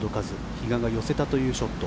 比嘉が寄せたというショット。